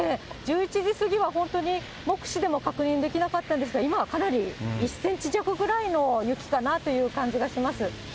１１時過ぎは本当に目視でも確認できなかったんですが、今、かなり１センチ弱ぐらいの雪だなという感じがします。